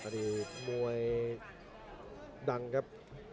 อดีตมวยดังครับ